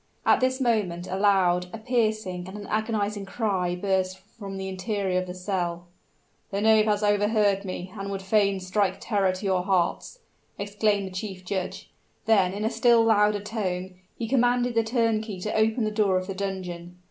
At this moment a loud, a piercing, and an agonizing cry burst from the interior of the cell. "The knave has overheard me, and would fain strike terror to your hearts!" exclaimed the chief judge; then in a still louder tone, he commanded the turnkey to open the door of the dungeon.